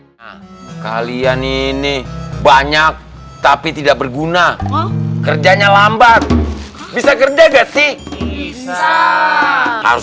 hai kalian ini banyak tapi tidak berguna kerjanya lambat bisa kerja gak sih bisa harus